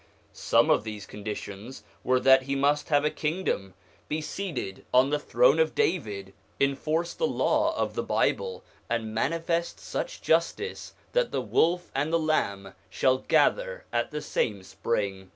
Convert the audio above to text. Some of these conditions were that he must have a kingdom, be seated on the throne of David, enforce the Law. of the Bible, and manifest such justice that the wolf and the lamb shall gather at the same spring.